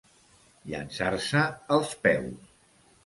Llançar-se als peus.